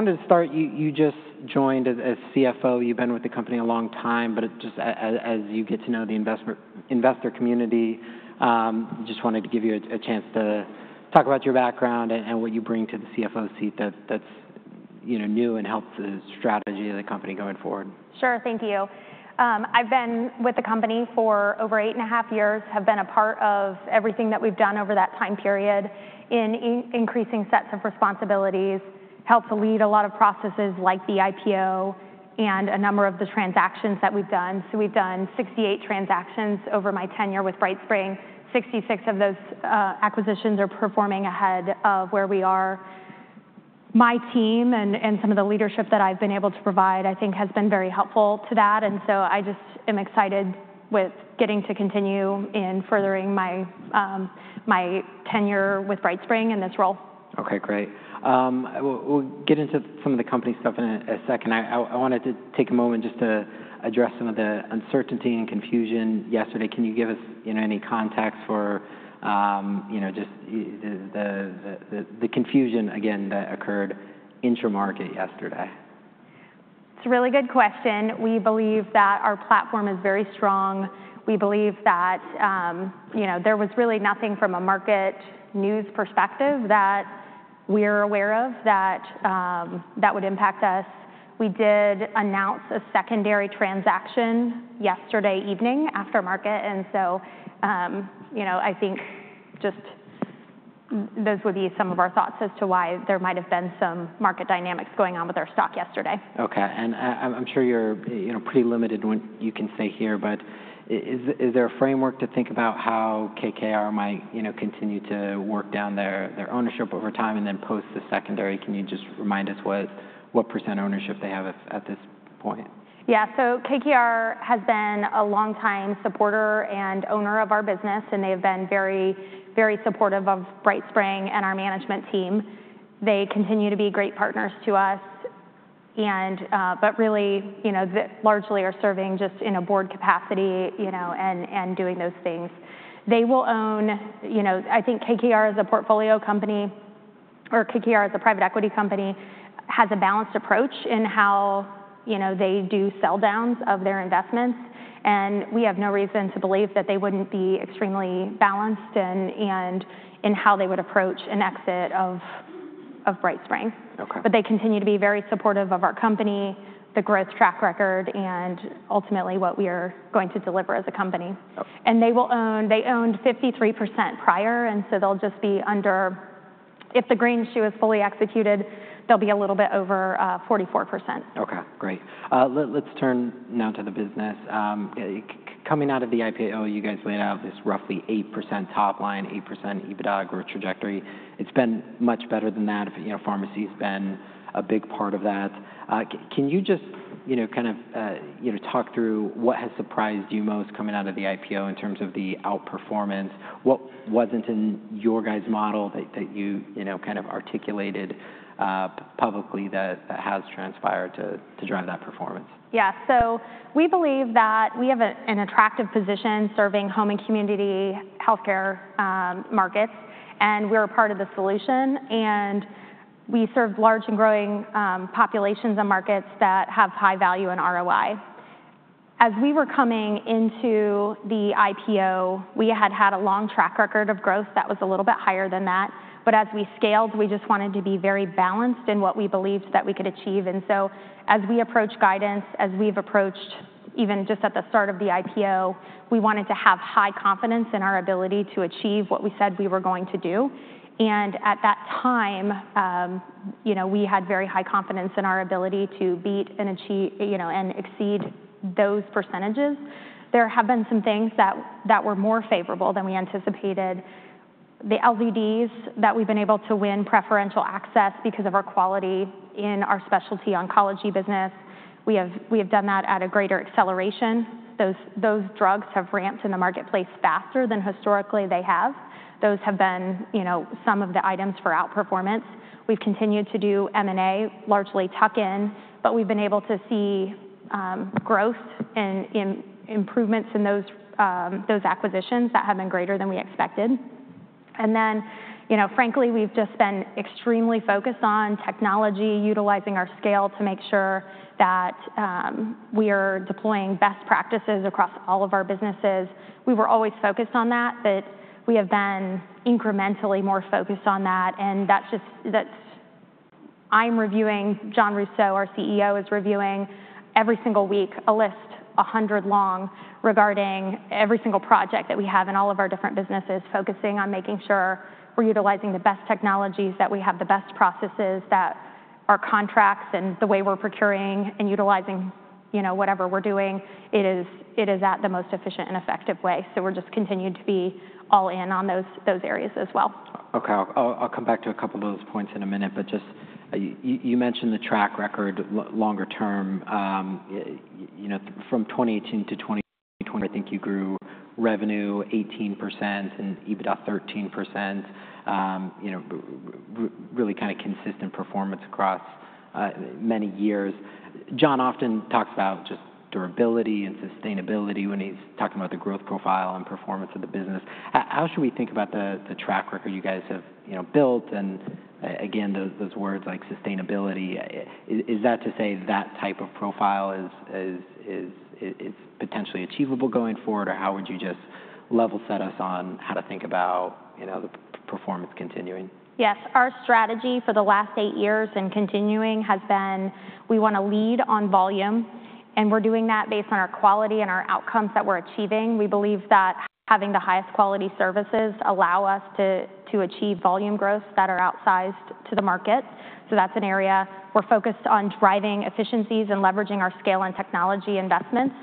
Wanted to start, you just joined as CFO. You've been with the company a long time, but just as you get to know the investor community, I just wanted to give you a chance to talk about your background and what you bring to the CFO seat that's new and helps the strategy of the company going forward. Sure, thank you. I've been with the company for over eight and a half years, have been a part of everything that we've done over that time period in increasing sets of responsibilities, helped to lead a lot of processes like the IPO and a number of the transactions that we've done. We have done 68 transactions over my tenure with BrightSpring. 66 of those acquisitions are performing ahead of where we are. My team and some of the leadership that I've been able to provide, I think, has been very helpful to that. I just am excited with getting to continue in furthering my tenure with BrightSpring in this role. Okay, great. We'll get into some of the company stuff in a second. I wanted to take a moment just to address some of the uncertainty and confusion yesterday. Can you give us any context for just the confusion, again, that occurred intra-market yesterday? It's a really good question. We believe that our platform is very strong. We believe that there was really nothing from a market news perspective that we're aware of that would impact us. We did announce a secondary transaction yesterday evening after market. I think just those would be some of our thoughts as to why there might have been some market dynamics going on with our stock yesterday. Okay. I'm sure you're pretty limited in what you can say here, but is there a framework to think about how KKR might continue to work down their ownership over time and then post the secondary? Can you just remind us what percent ownership they have at this point? Yeah. KKR has been a long-time supporter and owner of our business, and they've been very, very supportive of BrightSpring and our management team. They continue to be great partners to us, but really largely are serving just in a board capacity and doing those things. They will own, I think KKR as a portfolio company or KKR as a private equity company has a balanced approach in how they do sell downs of their investments. We have no reason to believe that they wouldn't be extremely balanced in how they would approach an exit of BrightSpring. They continue to be very supportive of our company, the growth track record, and ultimately what we are going to deliver as a company. They owned 53% prior, and so they'll just be under, if the green shoe is fully executed, they'll be a little bit over 44%. Okay, great. Let's turn now to the business. Coming out of the IPO, you guys laid out this roughly 8% top line, 8% EBITDA growth trajectory. It's been much better than that. Pharmacy has been a big part of that. Can you just kind of talk through what has surprised you most coming out of the IPO in terms of the outperformance? What was not in your guys' model that you kind of articulated publicly that has transpired to drive that performance? Yeah. So we believe that we have an attractive position serving home and community healthcare markets, and we're a part of the solution. We serve large and growing populations and markets that have high value in ROI. As we were coming into the IPO, we had had a long track record of growth that was a little bit higher than that. As we scaled, we just wanted to be very balanced in what we believed that we could achieve. As we approached guidance, as we've approached even just at the start of the IPO, we wanted to have high confidence in our ability to achieve what we said we were going to do. At that time, we had very high confidence in our ability to beat and exceed those percentages. There have been some things that were more favorable than we anticipated. The LDDs that we've been able to win preferential access because of our quality in our specialty oncology business, we have done that at a greater acceleration. Those drugs have ramped in the marketplace faster than historically they have. Those have been some of the items for outperformance. We've continued to do M&A, largely tuck in, but we've been able to see growth and improvements in those acquisitions that have been greater than we expected. Frankly, we've just been extremely focused on technology, utilizing our scale to make sure that we are deploying best practices across all of our businesses. We were always focused on that, but we have been incrementally more focused on that. I'm reviewing, Jon Rousseau, our CEO, is reviewing every single week a list, 100 long, regarding every single project that we have in all of our different businesses, focusing on making sure we're utilizing the best technologies that we have, the best processes, that our contracts and the way we're procuring and utilizing whatever we're doing, it is at the most efficient and effective way. We're just continuing to be all in on those areas as well. Okay. I'll come back to a couple of those points in a minute, but just you mentioned the track record longer term. From 2018 to 2020, I think you grew revenue 18% and EBITDA 13%, really kind of consistent performance across many years. Jon often talks about just durability and sustainability when he's talking about the growth profile and performance of the business. How should we think about the track record you guys have built? And again, those words like sustainability, is that to say that type of profile is potentially achievable going forward, or how would you just level set us on how to think about the performance continuing? Yes. Our strategy for the last eight years and continuing has been we want to lead on volume, and we're doing that based on our quality and our outcomes that we're achieving. We believe that having the highest quality services allows us to achieve volume growths that are outsized to the market. That is an area we're focused on driving efficiencies and leveraging our scale and technology investments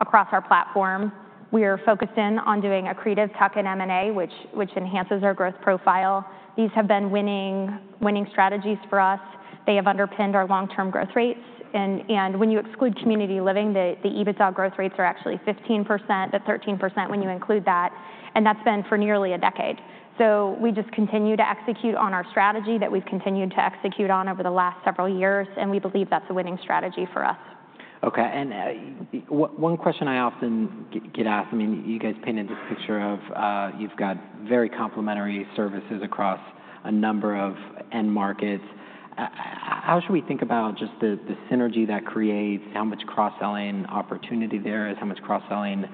across our platform. We are focused in on doing accretive tuck-in M&A, which enhances our growth profile. These have been winning strategies for us. They have underpinned our long-term growth rates. When you exclude community living, the EBITDA growth rates are actually 15% to 13% when you include that. That has been for nearly a decade. We just continue to execute on our strategy that we've continued to execute on over the last several years, and we believe that's a winning strategy for us. Okay. One question I often get asked, I mean, you guys painted this picture of you've got very complementary services across a number of end markets. How should we think about just the synergy that creates, how much cross-selling opportunity there is, how much cross-selling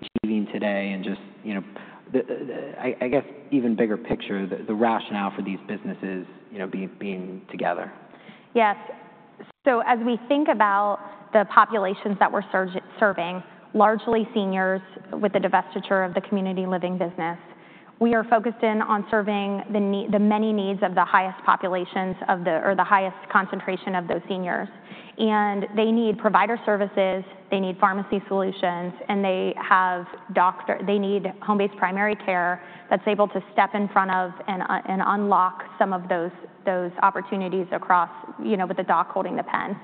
achieving today, and just, I guess, even bigger picture, the rationale for these businesses being together? Yes. As we think about the populations that we're serving, largely seniors with the divestiture of the community living business, we are focused in on serving the many needs of the highest populations or the highest concentration of those seniors. They need provider services, they need pharmacy solutions, and they need home-based primary care that's able to step in front of and unlock some of those opportunities with the doc holding the pen.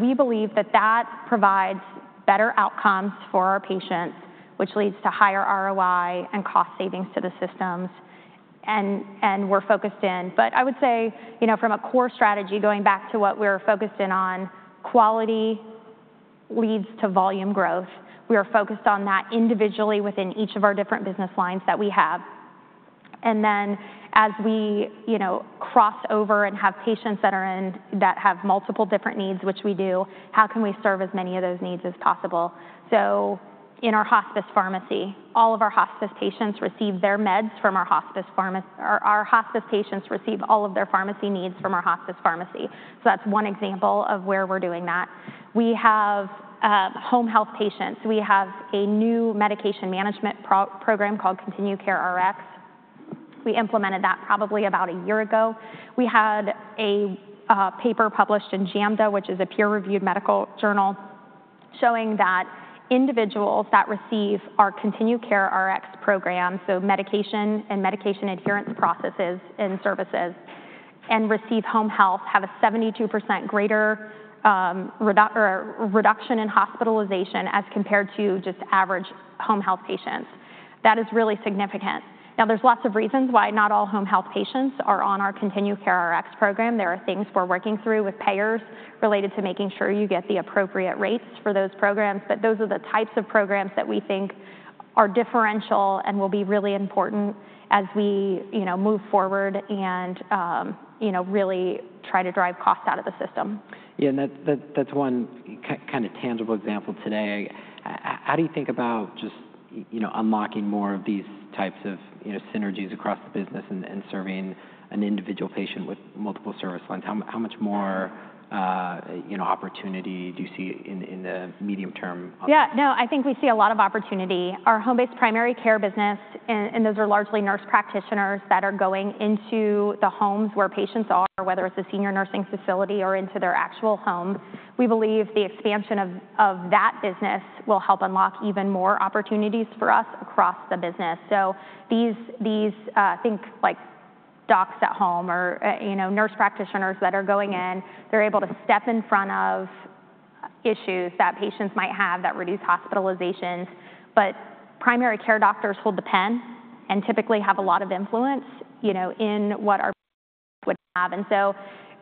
We believe that that provides better outcomes for our patients, which leads to higher ROI and cost savings to the systems. We're focused in, but I would say from a core strategy, going back to what we're focused in on, quality leads to volume growth. We are focused on that individually within each of our different business lines that we have. Then as we cross over and have patients that have multiple different needs, which we do, how can we serve as many of those needs as possible? In our hospice pharmacy, all of our hospice patients receive their meds from our hospice pharmacy. Our hospice patients receive all of their pharmacy needs from our hospice pharmacy. That is one example of where we are doing that. We have home health patients. We have a new medication management program called ContinueCare Rx. We implemented that probably about a year ago. We had a paper published in JAMDA, which is a peer-reviewed medical journal, showing that individuals that receive our ContinueCare Rx program, so medication and medication adherence processes and services, and receive home health, have a 72% greater reduction in hospitalization as compared to just average home health patients. That is really significant. Now, there's lots of reasons why not all home health patients are on our ContinueCare Rx program. There are things we're working through with payers related to making sure you get the appropriate rates for those programs, but those are the types of programs that we think are differential and will be really important as we move forward and really try to drive cost out of the system. Yeah. That is one kind of tangible example today. How do you think about just unlocking more of these types of synergies across the business and serving an individual patient with multiple service lines? How much more opportunity do you see in the medium term? Yeah. No, I think we see a lot of opportunity. Our home-based primary care business, and those are largely nurse practitioners that are going into the homes where patients are, whether it's a senior nursing facility or into their actual home. We believe the expansion of that business will help unlock even more opportunities for us across the business. These, I think, docs at home or nurse practitioners that are going in, they're able to step in front of issues that patients might have that reduce hospitalizations. Primary care doctors hold the pen and typically have a lot of influence in what our patients would have.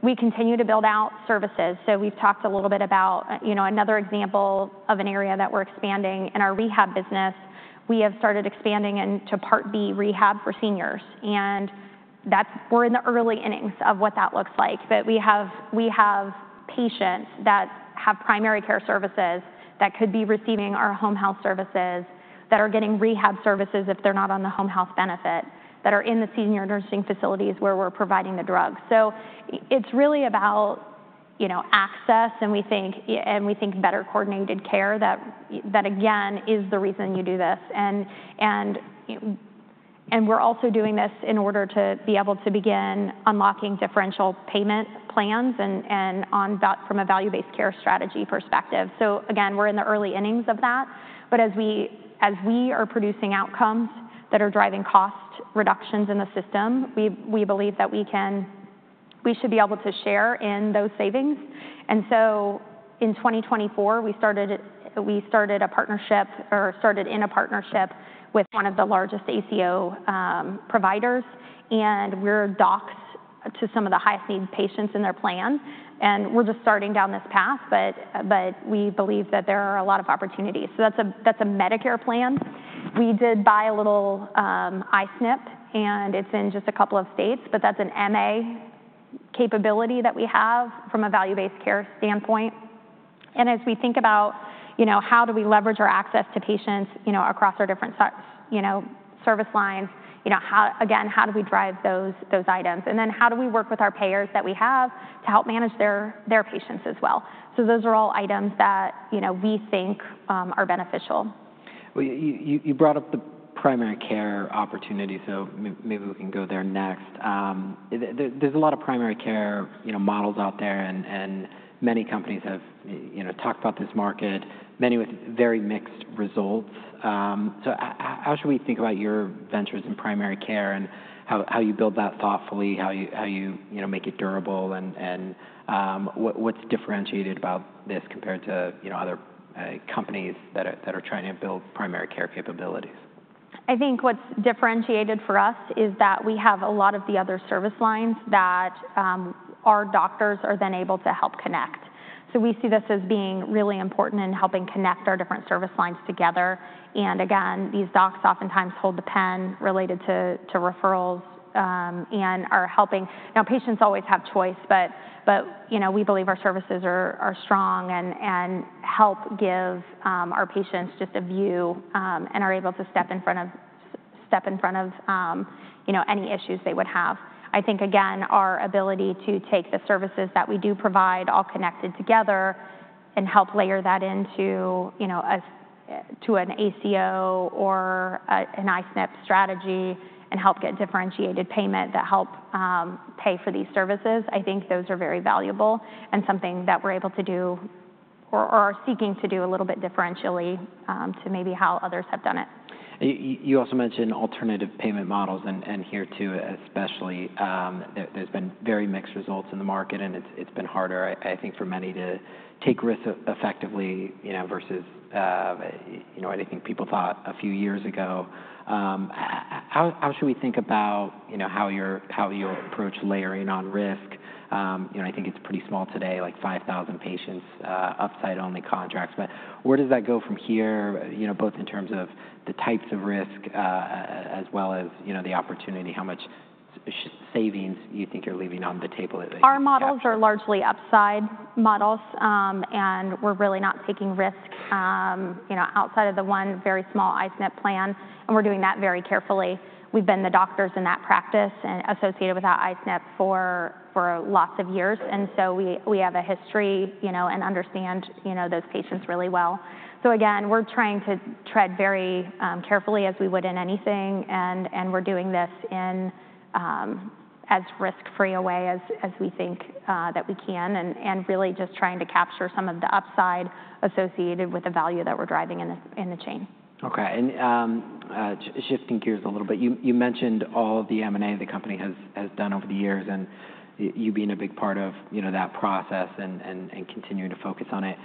We continue to build out services. We've talked a little bit about another example of an area that we're expanding in our rehab business. We have started expanding into Part B rehab for seniors. We're in the early innings of what that looks like. We have patients that have primary care services that could be receiving our home health services, that are getting rehab services if they're not on the home health benefit, that are in the senior nursing facilities where we're providing the drugs. It is really about access, and we think better coordinated care that, again, is the reason you do this. We're also doing this in order to be able to begin unlocking differential payment plans and from a value-based care strategy perspective. Again, we're in the early innings of that. As we are producing outcomes that are driving cost reductions in the system, we believe that we should be able to share in those savings. In 2024, we started a partnership or started in a partnership with one of the largest ACO providers, and we're docs to some of the highest need patients in their plan. We're just starting down this path, but we believe that there are a lot of opportunities. That is a Medicare plan. We did buy a little I-SNPs, and it's in just a couple of states, but that is an MA capability that we have from a value-based care standpoint. As we think about how do we leverage our access to patients across our different service lines, again, how do we drive those items? How do we work with our payers that we have to help manage their patients as well? Those are all items that we think are beneficial. You brought up the primary care opportunity, so maybe we can go there next. There are a lot of primary care models out there, and many companies have talked about this market, many with very mixed results. How should we think about your ventures in primary care and how you build that thoughtfully, how you make it durable, and what is differentiated about this compared to other companies that are trying to build primary care capabilities? I think what's differentiated for us is that we have a lot of the other service lines that our doctors are then able to help connect. We see this as being really important in helping connect our different service lines together. Again, these docs oftentimes hold the pen related to referrals and are helping. Now, patients always have choice, but we believe our services are strong and help give our patients just a view and are able to step in front of any issues they would have. I think, again, our ability to take the services that we do provide all connected together and help layer that into an ACO or an I-SNPs strategy and help get differentiated payment that help pay for these services, I think those are very valuable and something that we're able to do or are seeking to do a little bit differentially to maybe how others have done it. You also mentioned alternative payment models, and here too, especially, there's been very mixed results in the market, and it's been harder, I think, for many to take risk effectively versus anything people thought a few years ago. How should we think about how you approach layering on risk? I think it's pretty small today, like 5,000 patients, upside-only contracts. But where does that go from here, both in terms of the types of risk as well as the opportunity, how much savings you think you're leaving on the table? Our models are largely upside models, and we're really not taking risk outside of the one very small I-SNPs plan, and we're doing that very carefully. We've been the doctors in that practice and associated with that I-SNPs for lots of years. And so we have a history and understand those patients really well. Again, we're trying to tread very carefully as we would in anything, and we're doing this as risk-free a way as we think that we can and really just trying to capture some of the upside associated with the value that we're driving in the chain. Okay. Shifting gears a little bit, you mentioned all of the M&A the company has done over the years and you being a big part of that process and continuing to focus on it.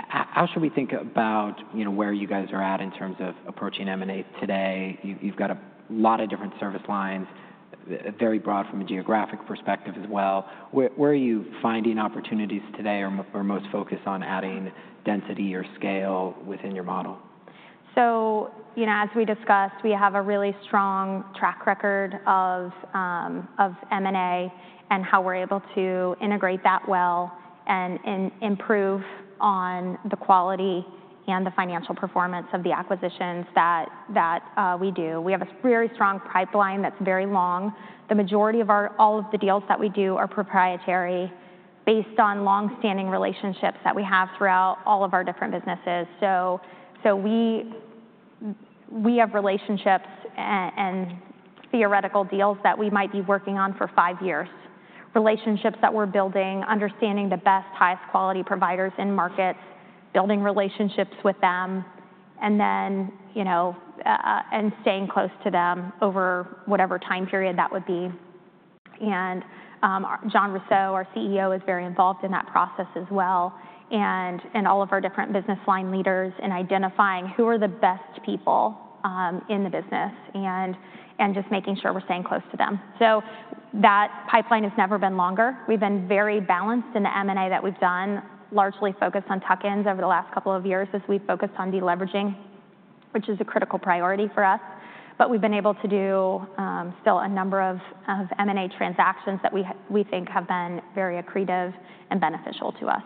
How should we think about where you guys are at in terms of approaching M&A today? You've got a lot of different service lines, very broad from a geographic perspective as well. Where are you finding opportunities today or most focused on adding density or scale within your model? As we discussed, we have a really strong track record of M&A and how we're able to integrate that well and improve on the quality and the financial performance of the acquisitions that we do. We have a very strong pipeline that's very long. The majority of all of the deals that we do are proprietary based on long-standing relationships that we have throughout all of our different businesses. We have relationships and theoretical deals that we might be working on for five years, relationships that we're building, understanding the best, highest quality providers in markets, building relationships with them, and staying close to them over whatever time period that would be. Jon Rousseau, our CEO, is very involved in that process as well, and all of our different business line leaders in identifying who are the best people in the business and just making sure we're staying close to them. That pipeline has never been longer. We've been very balanced in the M&A that we've done, largely focused on tuck-ins over the last couple of years as we've focused on deleveraging, which is a critical priority for us. We've been able to do still a number of M&A transactions that we think have been very accretive and beneficial to us.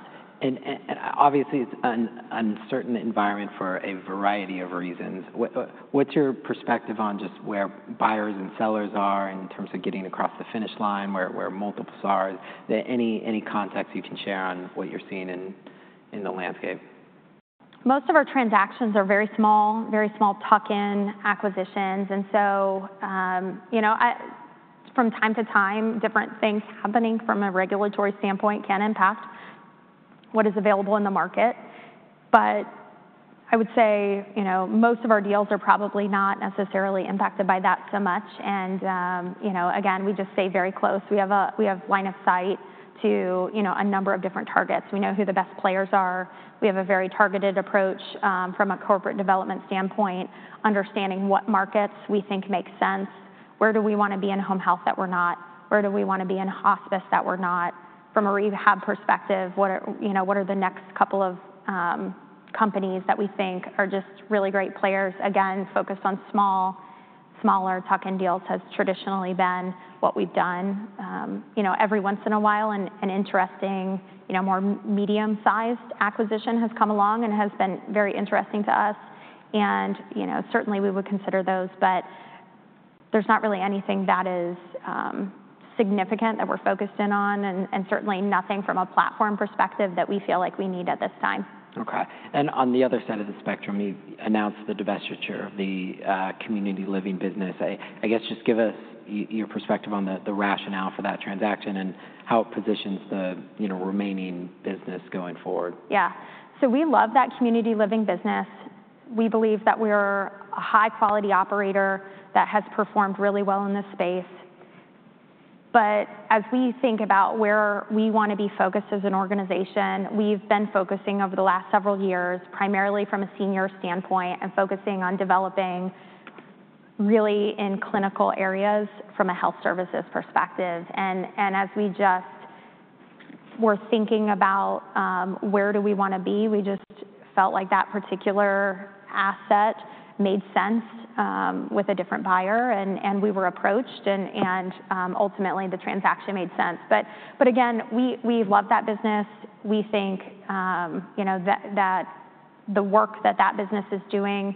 Obviously, it's an uncertain environment for a variety of reasons. What's your perspective on just where buyers and sellers are in terms of getting across the finish line, where multiple SARs? Any context you can share on what you're seeing in the landscape? Most of our transactions are very small, very small tuck-in acquisitions. From time to time, different things happening from a regulatory standpoint can impact what is available in the market. I would say most of our deals are probably not necessarily impacted by that so much. Again, we just stay very close. We have line of sight to a number of different targets. We know who the best players are. We have a very targeted approach from a corporate development standpoint, understanding what markets we think make sense. Where do we want to be in home health that we're not? Where do we want to be in hospice that we're not? From a rehab perspective, what are the next couple of companies that we think are just really great players? Again, focused on small, smaller tuck-in deals has traditionally been what we've done. Every once in a while, an interesting, more medium-sized acquisition has come along and has been very interesting to us. We would consider those, but there is not really anything that is significant that we are focused in on and certainly nothing from a platform perspective that we feel like we need at this time. Okay. On the other side of the spectrum, you announced the divestiture of the community living business. I guess just give us your perspective on the rationale for that transaction and how it positions the remaining business going forward. Yeah. So we love that community living business. We believe that we're a high-quality operator that has performed really well in this space. As we think about where we want to be focused as an organization, we've been focusing over the last several years primarily from a senior standpoint and focusing on developing really in clinical areas from a health services perspective. As we just were thinking about where do we want to be, we just felt like that particular asset made sense with a different buyer, and we were approached, and ultimately, the transaction made sense. Again, we love that business. We think that the work that that business is doing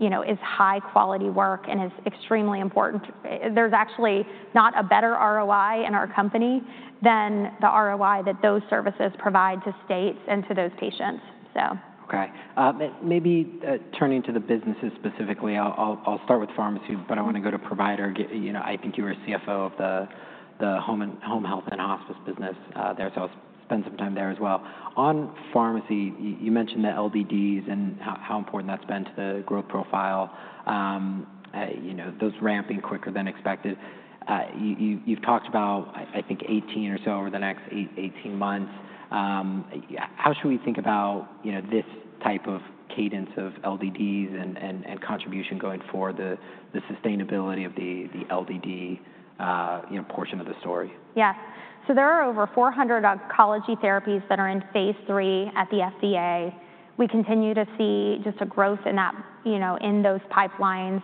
is high-quality work and is extremely important. There's actually not a better ROI in our company than the ROI that those services provide to states and to those patients, so. Okay. Maybe turning to the businesses specifically, I'll start with pharmacy, but I want to go to provider. I think you were CFO of the home health and hospice business there, so I'll spend some time there as well. On pharmacy, you mentioned the LDDs and how important that's been to the growth profile, those ramping quicker than expected. You've talked about, I think, 18 or so over the next 18 months. How should we think about this type of cadence of LDDs and contribution going forward, the sustainability of the LDD portion of the story? Yeah. There are over 400 oncology therapies that are in phase three at the FDA. We continue to see just a growth in those pipelines.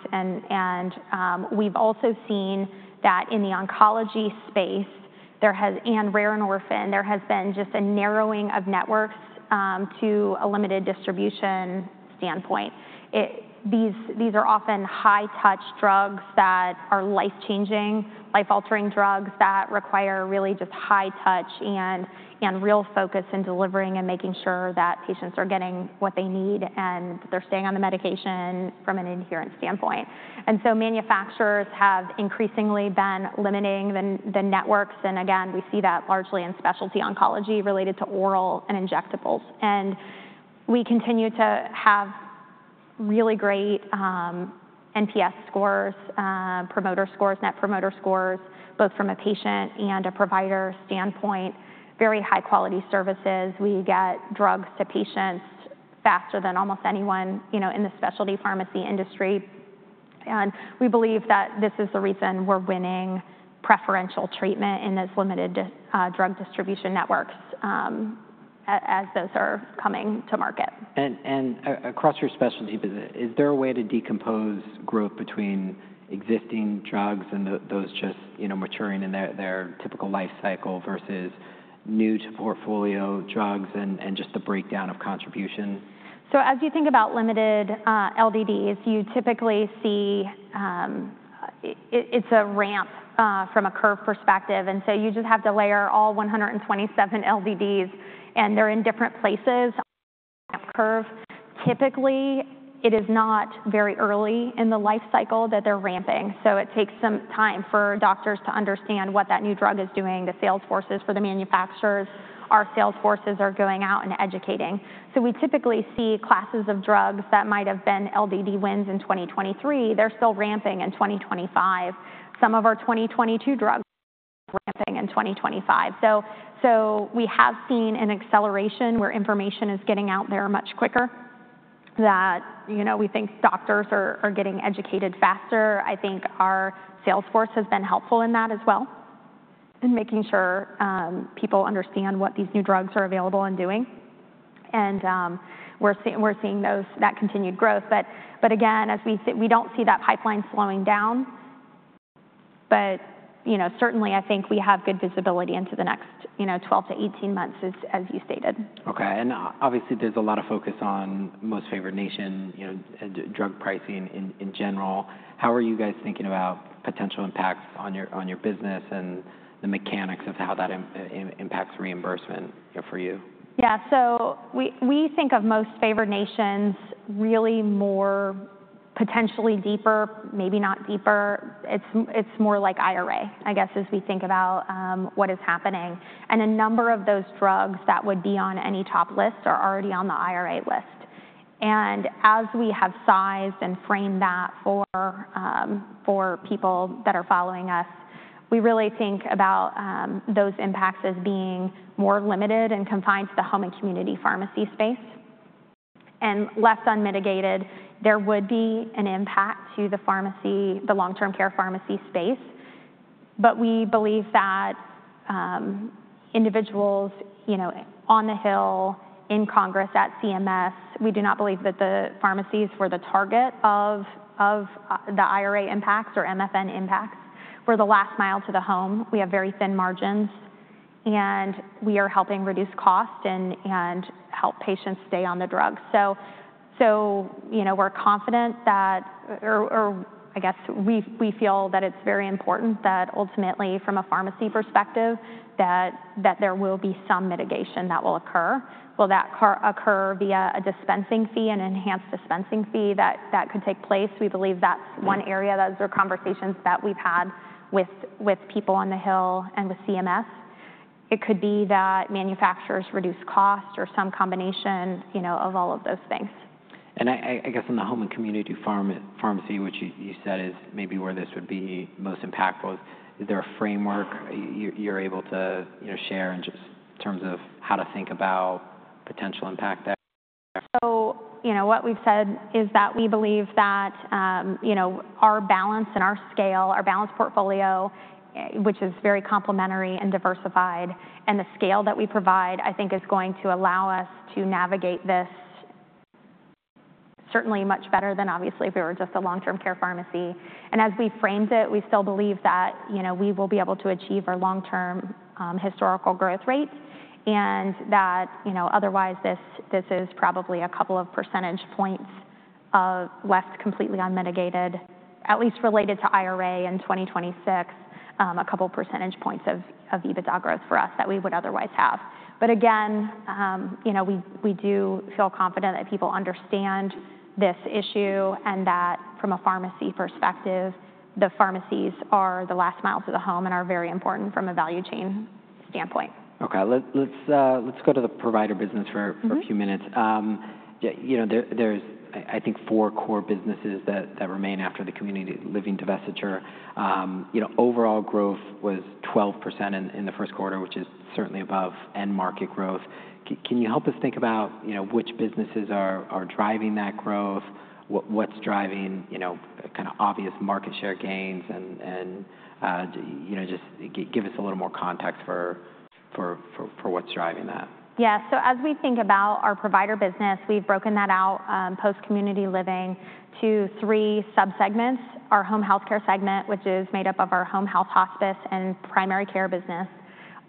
We have also seen that in the oncology space and rare endorphin, there has been just a narrowing of networks to a limited distribution standpoint. These are often high-touch drugs that are life-changing, life-altering drugs that require really just high touch and real focus in delivering and making sure that patients are getting what they need and they are staying on the medication from an adherence standpoint. Manufacturers have increasingly been limiting the networks. We see that largely in specialty oncology related to oral and injectables. We continue to have really great NPS scores, net promoter scores, both from a patient and a provider standpoint, very high-quality services. We get drugs to patients faster than almost anyone in the specialty pharmacy industry. We believe that this is the reason we're winning preferential treatment in those limited drug distribution networks as those are coming to market. Is there a way to decompose growth between existing drugs and those just maturing in their typical life cycle versus new-to-portfolio drugs and just the breakdown of contribution across your specialty? As you think about limited LDDs, you typically see it's a ramp from a curve perspective. You just have to layer all 127 LDDs, and they're in different places on the ramp curve. Typically, it is not very early in the life cycle that they're ramping. It takes some time for doctors to understand what that new drug is doing, the sales forces for the manufacturers, our sales forces are going out and educating. We typically see classes of drugs that might have been LDD wins in 2023; they're still ramping in 2025. Some of our 2022 drugs are ramping in 2025. We have seen an acceleration where information is getting out there much quicker that we think doctors are getting educated faster. I think our sales force has been helpful in that as well, making sure people understand what these new drugs are available and doing. We're seeing that continued growth. Again, we don't see that pipeline slowing down. Certainly, I think we have good visibility into the next 12 to 18 months, as you stated. Okay. Obviously, there's a lot of focus on most favored nation drug pricing in general. How are you guys thinking about potential impacts on your business and the mechanics of how that impacts reimbursement for you? Yeah. We think of most favored nations really more potentially deeper, maybe not deeper. It's more like IRA, I guess, as we think about what is happening. A number of those drugs that would be on any top list are already on the IRA list. As we have sized and framed that for people that are following us, we really think about those impacts as being more limited and confined to the home and community pharmacy space and less unmitigated. There would be an impact to the long-term care pharmacy space. We believe that individuals on the Hill, in Congress, at CMS, we do not believe that the pharmacies were the target of the IRA impacts or MFN impacts. We're the last mile to the home. We have very thin margins, and we are helping reduce cost and help patients stay on the drug. We're confident that, or I guess we feel that it's very important that ultimately, from a pharmacy perspective, that there will be some mitigation that will occur. Will that occur via a dispensing fee, an enhanced dispensing fee that could take place? We believe that's one area that those are conversations that we've had with people on the Hill and with CMS. It could be that manufacturers reduce cost or some combination of all of those things. I guess in the home and community pharmacy, which you said is maybe where this would be most impactful, is there a framework you're able to share in terms of how to think about potential impact there? What we have said is that we believe that our balance and our scale, our balanced portfolio, which is very complementary and diversified, and the scale that we provide, I think is going to allow us to navigate this certainly much better than obviously if we were just a long-term care pharmacy. As we framed it, we still believe that we will be able to achieve our long-term historical growth rate and that otherwise this is probably a couple of percentage points left completely unmitigated, at least related to IRA in 2026, a couple of percentage points of EBITDA growth for us that we would otherwise have. Again, we do feel confident that people understand this issue and that from a pharmacy perspective, the pharmacies are the last mile to the home and are very important from a value chain standpoint. Okay. Let's go to the provider business for a few minutes. There's, I think, four core businesses that remain after the community living divestiture. Overall growth was 12% in the first quarter, which is certainly above end market growth. Can you help us think about which businesses are driving that growth? What's driving kind of obvious market share gains? Just give us a little more context for what's driving that. Yeah. As we think about our provider business, we've broken that out post-community living to three sub-segments: our home healthcare segment, which is made up of our home health, hospice, and primary care business,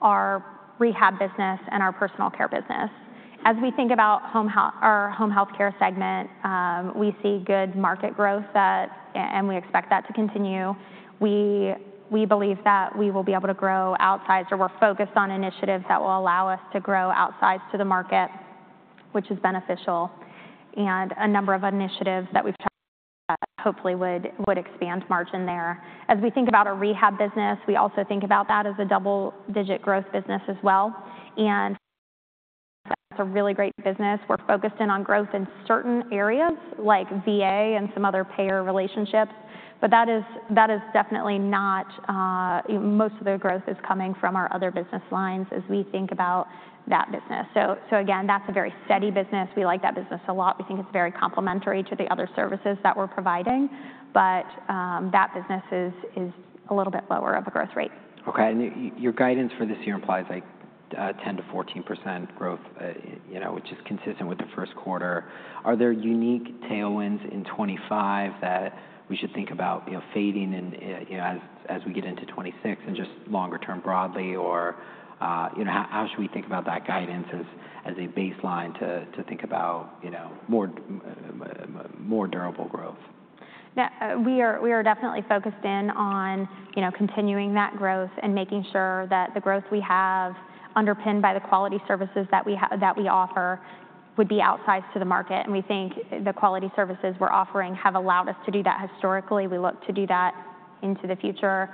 our rehab business, and our personal care business. As we think about our home healthcare segment, we see good market growth, and we expect that to continue. We believe that we will be able to grow outsized or we're focused on initiatives that will allow us to grow outsized to the market, which is beneficial, and a number of initiatives that we've tried to hopefully would expand margin there. As we think about our rehab business, we also think about that as a double-digit growth business as well. And that's a really great business. We're focused in on growth in certain areas like VA and some other payer relationships, but that is definitely not most of the growth is coming from our other business lines as we think about that business. Again, that's a very steady business. We like that business a lot. We think it's very complementary to the other services that we're providing, but that business is a little bit lower of a growth rate. Okay. Your guidance for this year implies 10 to 14% growth, which is consistent with the first quarter. Are there unique tailwinds in 2025 that we should think about fading as we get into 2026 and just longer term broadly? How should we think about that guidance as a baseline to think about more durable growth? Yeah. We are definitely focused in on continuing that growth and making sure that the growth we have underpinned by the quality services that we offer would be outsized to the market. We think the quality services we're offering have allowed us to do that historically. We look to do that into the future.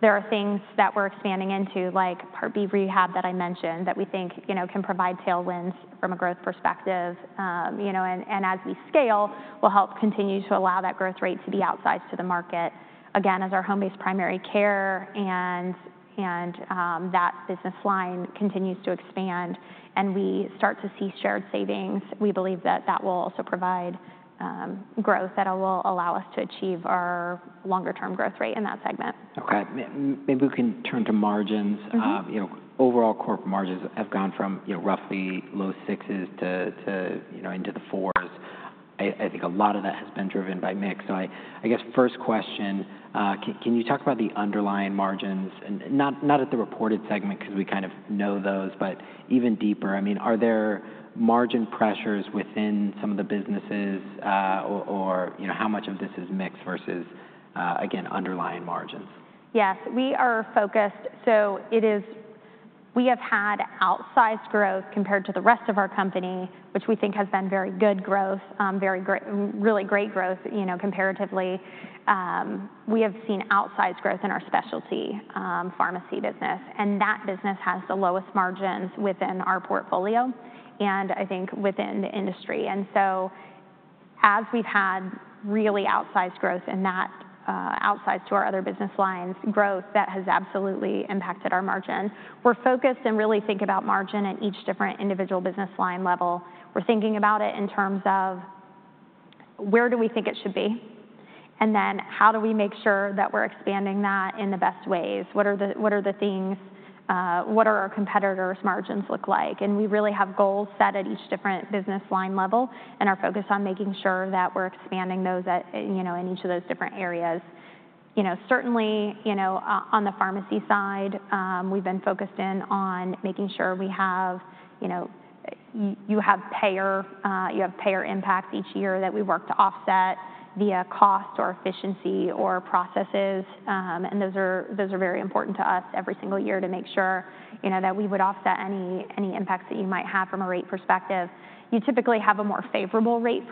There are things that we're expanding into, like Part B rehab that I mentioned, that we think can provide tailwinds from a growth perspective. As we scale, we'll help continue to allow that growth rate to be outsized to the market. Again, as our home-based primary care and that business line continues to expand and we start to see shared savings, we believe that that will also provide growth that will allow us to achieve our longer-term growth rate in that segment. Okay. Maybe we can turn to margins. Overall corporate margins have gone from roughly low sixes into the fours. I think a lot of that has been driven by mix. I guess first question, can you talk about the underlying margins, not at the reported segment because we kind of know those, but even deeper? I mean, are there margin pressures within some of the businesses or how much of this is mix versus, again, underlying margins? Yes. We have had outsized growth compared to the rest of our company, which we think has been very good growth, really great growth comparatively. We have seen outsized growth in our specialty pharmacy business, and that business has the lowest margins within our portfolio and I think within the industry. As we have had really outsized growth, and that outsized to our other business lines growth, that has absolutely impacted our margin. We are focused and really think about margin at each different individual business line level. We are thinking about it in terms of where do we think it should be and then how do we make sure that we are expanding that in the best ways. What are the things? What do our competitors' margins look like? We really have goals set at each different business line level and are focused on making sure that we're expanding those in each of those different areas. Certainly, on the pharmacy side, we've been focused in on making sure you have payer impacts each year that we work to offset via cost or efficiency or processes. Those are very important to us every single year to make sure that we would offset any impacts that you might have from a rate perspective. You typically have a more favorable rate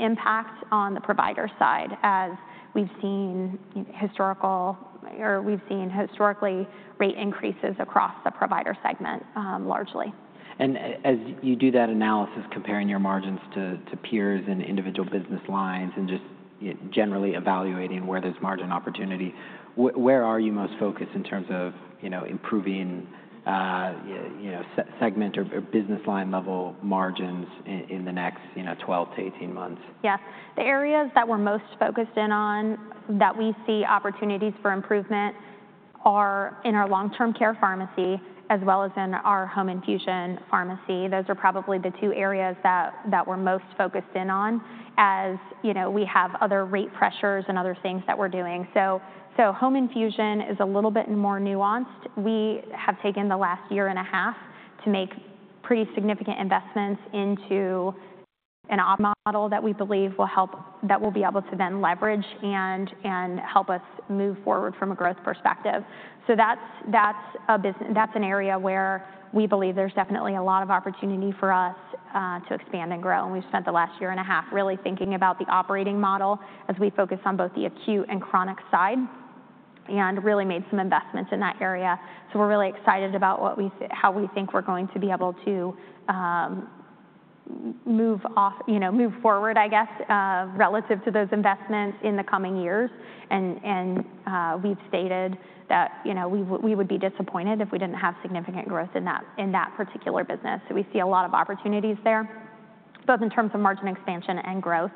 impact on the provider side as we've seen historically rate increases across the provider segment largely. As you do that analysis, comparing your margins to peers and individual business lines and just generally evaluating where there's margin opportunity, where are you most focused in terms of improving segment or business line level margins in the next 12 to 18 months? Yeah. The areas that we're most focused in on that we see opportunities for improvement are in our long-term care pharmacy as well as in our home infusion pharmacy. Those are probably the two areas that we're most focused in on as we have other rate pressures and other things that we're doing. Home infusion is a little bit more nuanced. We have taken the last year and a half to make pretty significant investments into a model that we believe will help, that we'll be able to then leverage and help us move forward from a growth perspective. That's an area where we believe there's definitely a lot of opportunity for us to expand and grow. We have spent the last year and a half really thinking about the operating model as we focus on both the acute and chronic side and really made some investments in that area. We are really excited about how we think we are going to be able to move forward, I guess, relative to those investments in the coming years. We have stated that we would be disappointed if we did not have significant growth in that particular business. We see a lot of opportunities there, both in terms of margin expansion and growth.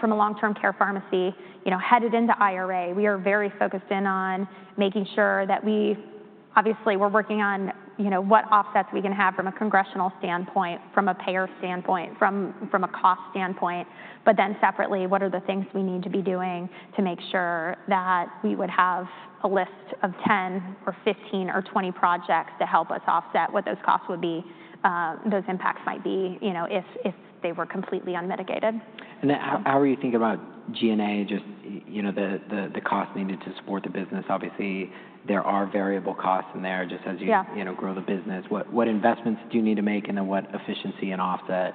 From a long-term care pharmacy, headed into IRA, we are very focused in on making sure that we obviously we're working on what offsets we can have from a congressional standpoint, from a payer standpoint, from a cost standpoint, but then separately, what are the things we need to be doing to make sure that we would have a list of 10 or 15 or 20 projects to help us offset what those costs would be, those impacts might be if they were completely unmitigated. How are you thinking about G&A, just the cost needed to support the business? Obviously, there are variable costs in there just as you grow the business. What investments do you need to make and then what efficiency and offset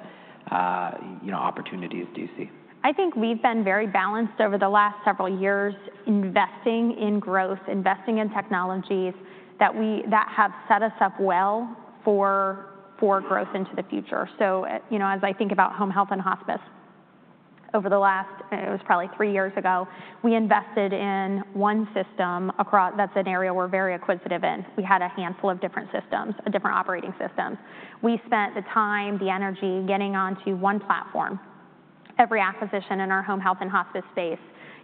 opportunities do you see? I think we've been very balanced over the last several years investing in growth, investing in technologies that have set us up well for growth into the future. As I think about home health and hospice over the last, it was probably three years ago, we invested in one system that's an area we're very acquisitive in. We had a handful of different systems, different operating systems. We spent the time, the energy getting onto one platform. Every acquisition in our home health and hospice space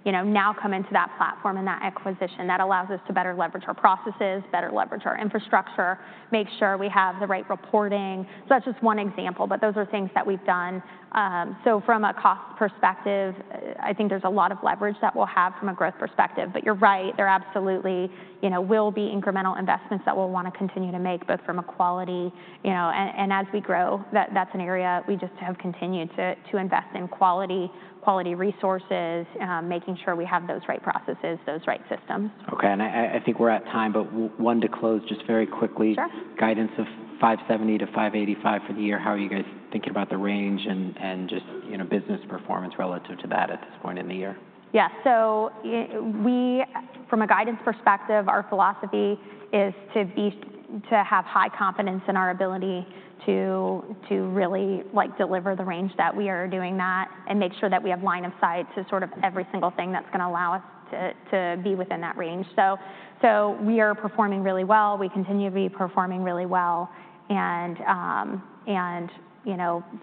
now come into that platform and that acquisition that allows us to better leverage our processes, better leverage our infrastructure, make sure we have the right reporting. That's just one example, but those are things that we've done. From a cost perspective, I think there's a lot of leverage that we'll have from a growth perspective, but you're right, there absolutely will be incremental investments that we'll want to continue to make both from a quality. And as we grow, that's an area we just have continued to invest in quality resources, making sure we have those right processes, those right systems. Okay. I think we're at time, but want to close just very quickly. Sure. Guidance of $570to $585 for the year. How are you guys thinking about the range and just business performance relative to that at this point in the year? Yeah. From a guidance perspective, our philosophy is to have high confidence in our ability to really deliver the range that we are doing that and make sure that we have line of sight to sort of every single thing that's going to allow us to be within that range. We are performing really well. We continue to be performing really well and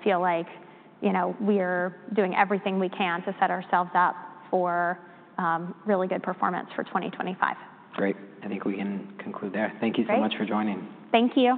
feel like we're doing everything we can to set ourselves up for really good performance for 2025. Great. I think we can conclude there. Thank you so much for joining. Thank you.